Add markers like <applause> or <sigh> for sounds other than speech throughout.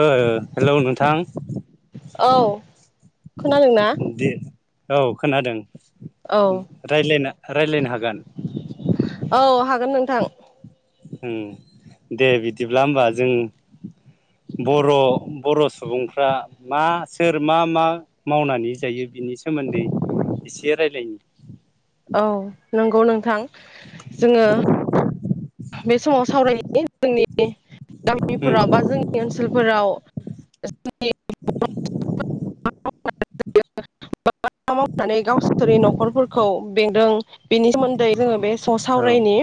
ओ हेलौ नोंथां। <inaudible> औ खोनादोंना? दे औ खोनादों। औ रायज्लायना रायज्लायनो हागोन? औ हा हागोन नोंथां। दे बिदिब्ला होमबा जों बर' बर' सुबुंफ्रा मा सोर मा मा मावनानै जायो बिनि सोमोन्दै इसे रायलायनि। औ नों गौ नोंथां। जोङो। बे समाव सावरायनि जोंनि गामिफोराव उम बा जोंनि ओनसोलफोराव जोंनि <unintelligible> मावनानै गावसोरनि न'खरफोरखौ बेंदों बेनि सोमोन्दै जोङो बे स औ सावरायनि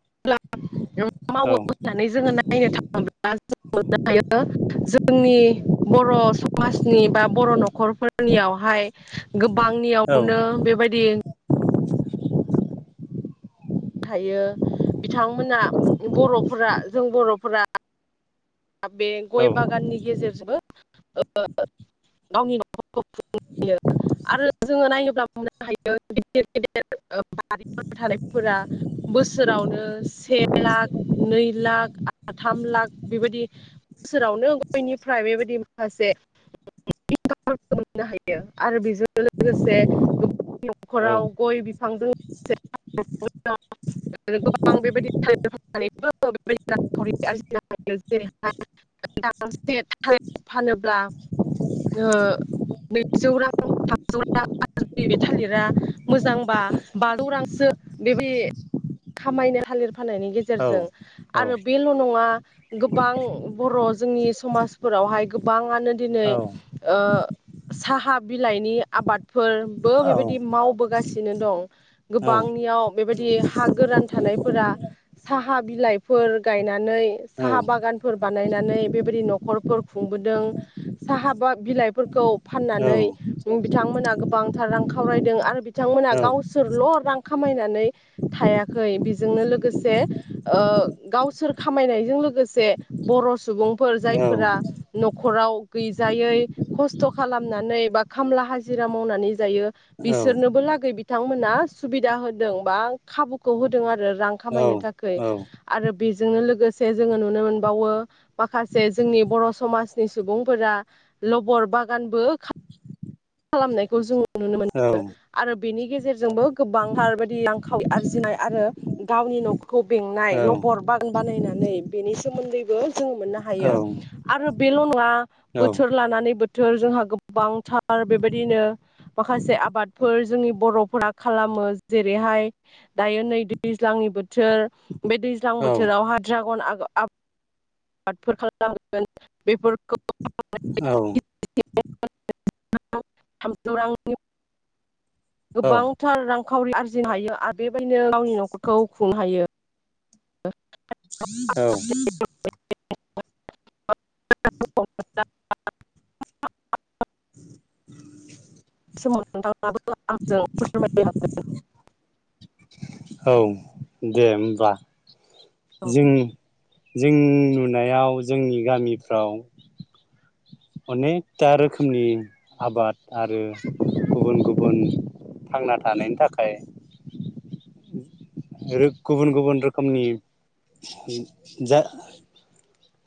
<unintelligible> औ मावो होननानै जोङो नायनो थाङोब्ला जों मोननो हायो जोंनि बर' समाजनि बा बर' न'खरफोरनियावहाय औ गोबांनियावनो बेबायदि थायो बिथांमोना बर'फोरा जों बर'फोरा बे गय बागाननि गेजेरजोंबो गावनि न'खरखौ खुङो आरो जोङो नायोब्ला बुंनो हायो गिदिर गिदिर ओ बारिफोर थानायफोरा बोसोरावनो से लाख नै लाख थाम लाख बेबायदि बोसोरावनो गयनिफ्राय बेबायदि माखासे इनखाम मोननो हायो आरो बेजों लोगोसे गो नि औ न'खराव गय बिफांजों आरो गोबां बेबायदि फाननानैबो बेबायदि रां खाउरि आरजिनो हायो। जेरैहाय <unintelligible> थालिर फानोब्ला ओ नैजौ रां थामजौ रां बे थालिरा मोजांबा बाजौ रांसो बे <unintelligible> खामायनो <unintelligible> फाननायनि औ गेजेरजों आरो बेल' नङा। बां बु र' जोंनि समाजफोरावहाय गोबां आनो दिनै औ ओ साहा बिलाइनि आबाद फोरबो औ बेबायदि मावबोगासिनो दं। औ गोबांनियाव बेबायदि हा गोरान थानायफोरा साहा बिलाइफोर गायनानै औ साहा बागानफोर बानायनानै बेबायदि न' खरफोर खुंबोदों साहा बा बिलाइफोरखौ फाननानै औ बिथांमोना गोबांथार रां खावरायदों आरो बि थांमोना गावसोरल' रां खामाय नानै थायाखै बेजोंनो लोगोसे ओ गावसोर खामायनायजों लो गोसे बर' सुबुं फोर जायफोरा न'ख खराव गैजायै खस्थ' खालामनानै बा खामला हाजिरा मावनानै जायो। बिसोरनोबो लागै बि थांमोना सुबिदा होदों बा खाबुखौ होदों आरो रां खामायनो थाखै आरो बेजोंनो लोगोसे जोङो नुनो मोनबावो माखासे जोंनि बर' समाजनि सुबुंफोरा लबर बागानबो खालामनायखौ जोङो नुनो मोनो आरो बेनि गेजेरजोंबो गोबांथार बायदि रांखावरि आरजिनाय आरो गावनि न' खौ बेंनाय लबर <unintelligible> बानायना नै बेनि सोमोन्दैबो जोङो मोननो हायो आरो बेल' नङा बोथोर लानानै बो थोर जोंहा गोबांथार आरो बेबायदिनो माखासे आबादफोर जोंनि बर'फोरा खालामो जेरैहाय दायो नै दैज्लांनि बोथोर बे दैज्लां औ बोथोराव हाजिरा गन आग आब <unintelligible> औ <unintelligible> औ गोबांथार रां खावरि आरजिनो हायो आरो बेबायदिनो गावनि न'खरखौ खुंनो हायो औ औ <unintelligible> औ दे होमबा जों जों नुनायाव जोंनि गामिफ्राव अनेकथा रोखोमनि आबाद आरो गुबुन गुबुन थांना थानायनि थाखाय गुबुन गुबुन रोखोमनि जा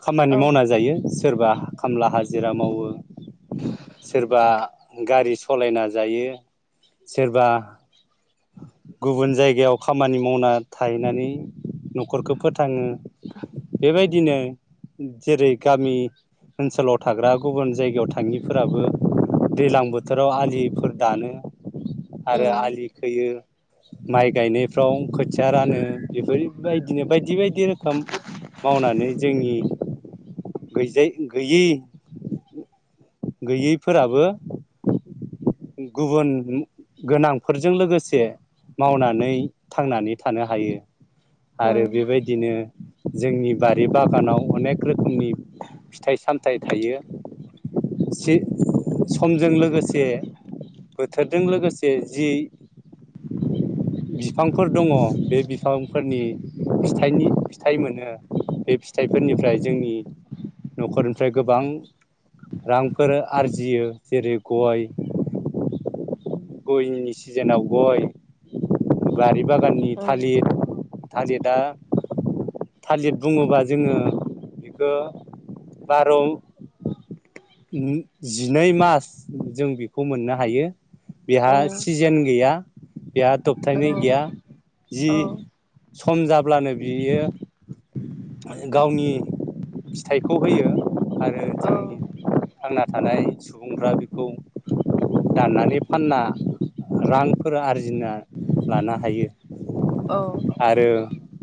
खामानि औ मावना जायो सोरबा खामला हाजिरा मावो सोरबा गारि सालायना जायो सोरबा गुबुन जायगायाव खामानि मावना थाहैनानै न'खरखौ फोथाङो बेबायदिनो जेरै गामि ओनसोलाव थाग्रा गुबुन जायगायाव थाङिफोराबो दै्ज्लां बोथोराव आलिफोर दानो आरो उम आलि खोयो माइ गायनायफ्राव खोथिया रानो बेफोरबायदिनो बायदि बायदि रोखोम मावनानै जोंनि गैजायै गैयै गैयैफोराबो गुबुन गोनांफोरजों लोगोसे मावनानै थांनानै थानो हायो आरो उम बेबायदिनो जोंनि बारि बागानाव अनेक रोखोमनि फिथाइ सामथाइ थायो जि समजों लोगोसे बोथोरजों लोगोसे जि बिफांफोर दङ बे बिफांफोरनि फिथाइनि फिथाइ मोनो बे फिथाइफोरनिफ्राय जोंनि न'खरनिफ्राय गोबां रांफोर आरजियो जेरै गय गयनि सिजेनाव गय बारि बागाननि उम थालिर थालिरा थालिर बुङोबा जोङो बेखौ बार' जिनै मास जों बेखौ मोननो हायो बेहा सिजेन गैया बियाद दबथायनाय उम गैया जि औ सम जाब्लानो बियो <inaudible> गावनि फिथाइखौ होयो आरो औ जोंनि थांना थानाय सुबुंफ्रा बेखौ दाननानै फानना रांफोर आरजिना लानो हायो। आरो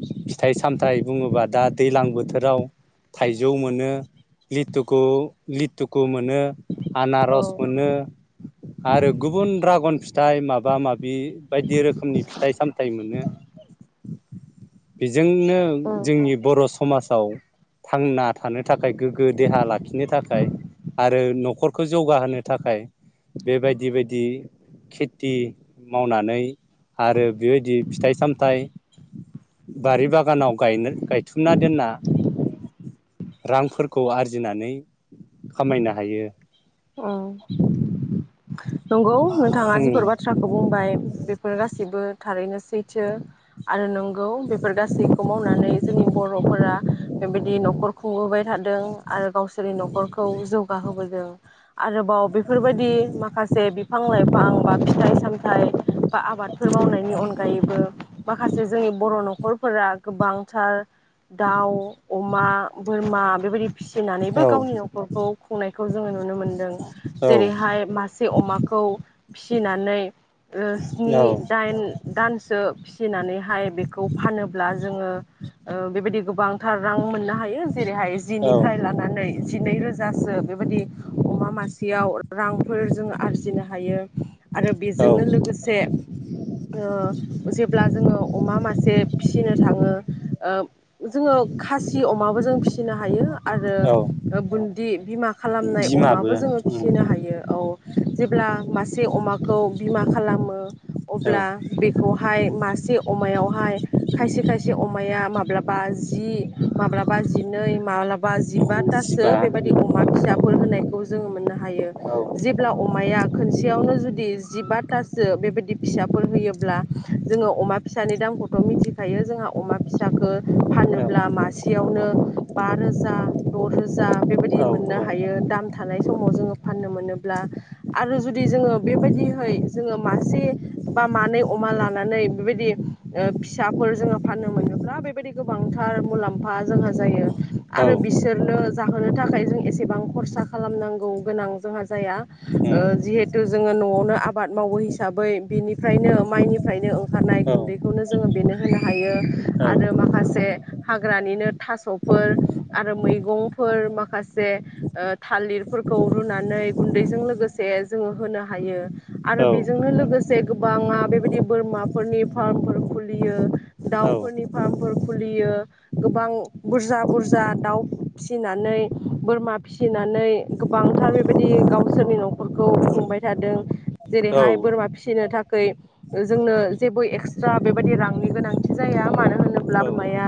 फिथाइ सामथाइ बुङोबा दा दैज्लां बोथोराव थाइजौ मोनो लिथुखु लिथुखु मोनो औ आनारस मोनो आरो गुबुन द्रागन फिथाइ माबा माबि बायदि रोखोमनि फिथाइ सामथाइ मोनो बेजोंनो उम जोंनि बर' समाजाव थांना थानो थाखाय गोग्गो देहा लाखिनो थाखाय आरो न'खरखौ जौगाहोनो थाखाय बेबायदि बायदि खेथि मावनानै आरो बेबायदि फिथाइ सामथाइ बारि बागानाव गायनो गाय थुमना दोनना रांफोरखौ आरजिनानै खामायनो हायो ओम नंगौ नोंथाङा उम जिफोर बाथ्राखौ बुंबाय बेफोर गासिबो थारैनोसै सैथो आरो नं गौ बेफोर गासैखौ मावनानै जोंनि बर'फोरा बेबायदि न'खर खुंबोबाय थादों आरो गावसोरनि न'खरखौ जौगाहोबोदों आरोबाव बेफोरबायदि माखासे बिफां लाइफां बा फिथाइ सामथाइ बा आबादफोर मावनायनि अनगायैबो माखासे जोंनि बर' न'खरफोरा गोबांथार दाउ अमा बोर मा बेबायदि फिसिनानैबो औ गावनि न'खरखौ खुंनाय खौ जोङो नुनो मोनो दों औ जेरैहाय मासे अमा खौ फिसिनानै स्नि दाइन दानसो फि नानैहाय हाय बेखौ फानोब्ला जोङो ओ बेबायदि गोबांथार रां मोननो हायो जेरैहाय औ जिनिफ्राय लानानै जिनै रोजासो बेबायदि अमा मासेयाव रांफोर जों आरजिनो हायो आरो औ बेजोंनो लोगोसे जेब्ला जोङो अमा मासे फिसिनो थाङो जोङो खासि अमाबो जों फिसिनो हायो आरो औ बुन्दि बिमा खालामनाय बिमाबो अमाबो जोङो उम फिसिनो हायो औ जेब्ला मासे अमाखौ बिमा खालामो औ अब्ला बेखौ मासे अमायावहाय खायसे खायसे अमाया मालाबा जि मालाबा जिनै बाजिबातासो सिबा बेबायदि अमा फिसाफोर होनायखौ खौ जोङो मोननो हायो औ जेब्ला अमाया खोनसेयावनो जुदि जिबातासो बेबायदि फिसाफोर होयोब्ला जोङो अमा फिसानि दामखौथ' मिथिखायो जोंहा अमा फिसखौ औ फानोब्ला मासेयावनो बा रोजा दरोजा रोजा बेबायदि मोननो औ हायो दाम थानाय समाव जोङो फाननो मोनोब्ला आरो जुदि जोङो बेबायदिहै जोङो मासे बा मानै अमा लानानै बेबायदि फिसाफोर जोङो फाननो मोनोब्ला बेबायदि गोबांथार मुलाम्फा जोंहा जायो औ आरो बिसोरनो जाहोनो थाखाय जों एसेबां खरसा खालामनांगौ गोनां जोंहा जाया ओ उम जिहेथु जोङो न'आवनो आबाद मावो हिसाबै बेनिफ्रायनो माइनिफ्रायनो ओंखारनाय औ गुन्दैखौनो जोङो बेनो होनो हायो। आरो माखासे हाग्रानिनो थास'फोर आरो मैगंफोर माखासे ओ थालिरफोरखौ रुनानै गुन्दैजों लोगोसे जोङो होनो हायो। आरो औ बेजोंनो लोगोस से गोबाङा बेबायदि बोरमाफोरनि फार्मफोर खुलियो। दाउफोरनि फार्मफोर खुलियो गोबां बुरजा-बुरजा दाउ फिसिनानै बोरमा फिस नानै गोबांथार बेबायदि गावसोरनि न'खरखौ खुंबाय थादों। औ जेरैहाय बोरमा फिसिनो थाख ऐ जोंनो जेबो एक्सट्रा बेबायादि रांनि गोनांथि जाया मानो होनोब्ला औ बोरमाया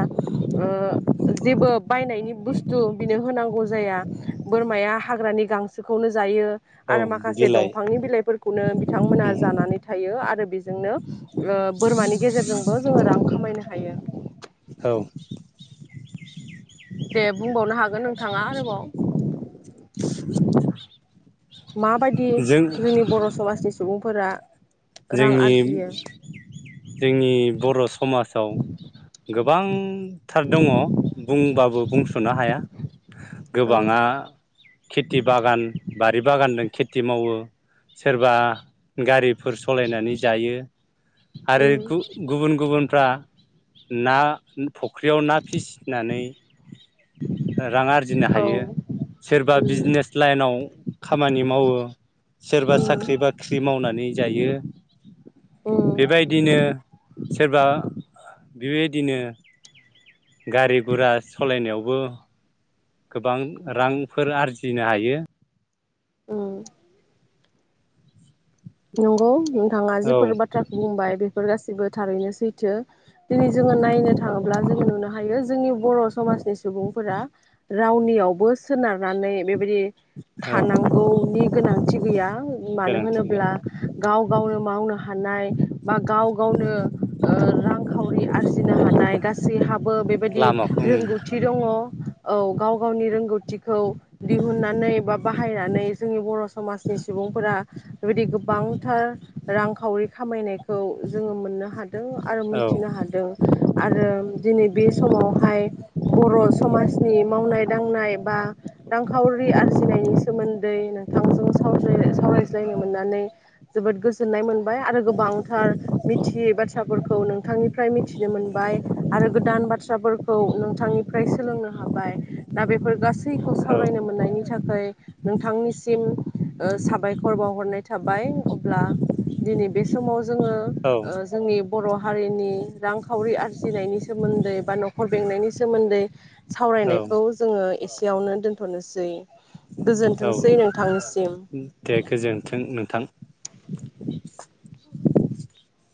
जेबो बायनायनि बुस्थु बिनो होनांगौ जाया। बोरमाया हाग्रानि गांसोखौनो जायो। औ आरो माखासे बिलाइ दंफांनि बिलाइफोरखौनो बिथांमोना उम जानानै थायो आरो बेजोंनो ओ बोरमानि गेजेरजोंबो जोङो रां खामायनो हायो। औ दे बुंबावनो हागोन नोंथाङा आरोबाव। माबायदि जों जोंनि बर' समाजनि सुबुं फोरा जोंनि-जोंनि बर' समाजाव गोबां थार दङ बुंबाबो बुंस'नो हाया। औ गोबाङा खेथि बागान बारि बागान दो खेथि मावो सोरबा गारि फोर सालायनानै जायो आरो उम गुबुन-गुबुन फ्रा ना <unintelligible> फुख्रियाव ना फिसिनानै <inaudible> रां आरजिनो औ हायो सोरबा उम बिजनेस लाइनाव खामानि मावो सोरबा उम साख्रि बाख्रि मावनानै बे उम बेबायदिनो सोरबा बेबायदिनो गारि गुरा सलायनायावबो गोबां रांफोर आरजिनो हायो। उम। नंगौ नोंथाङा औ जिफोर बाथ्राखौ बुंबाय बे फोर गासिबो थारैनो सैथो। दिनै जोङो नायनो थाङोब्ला जोङो नुनो हायो जोंनि बर' समाजनि सुबुंफोरा रावनियावबो सोनारनानै बे बे बादि औ थानांगौनि गोनांथि गैया। मानो गोनांथि गैया होनोब्ला गाव गावनो मावनो हानाय बा गाव गावनो ओ रांखावरि आरजिनो हानाय गासैहाबो बेबायदि लामाखौ रोंगौथि दङ'। औ गाव गावनि रोंगौथिखौ दिहुननानै बा बाहायनानै जोंनि बर' समाजनि सुबुंफोरा बेबायदि गोब बांथार रांखावरि खामायनाय खौ जोङो मोननो हादों आरो औ मोनथिनो हादों। आरो दिनै बे समावहाय बर' समाजनि मावनाय दांनाय बा रांखावरि आरजिनायनि सोमोन्दै नोंथांजों साव सावरायज्लायनो मोननानै जोबोद गोजोननाय मोन बाय आरो गोबांथार मिथियि बाथ्राफोरखौ नोंथां नोंथांनिफ्राय मिथिनो मोनबाय। आरो गोदान बाथ्राफोरखौ नोंथांनिफ्राय सोलोंनो हाबाय। दा बेफोर गासैखौ औ सावरायनो मोननायनि थाखाय नोंथांनिसिम ओ साबायखर बावहरनाय थाबा बाय। अब्ला बे समाव जोङो औ ओ जोंनि बर' हारिनि रांखावरि आरजिनायनि सोमोन्दै बा न'खर बेंनायनि सोमोन्दै औ सावरायनायखौ जोङो एसे यावनो दोनथ'नोसै। औ गोजोनथोंसै नोंथांनिसिम दे गोजोनथों नोंथां। <inaudible>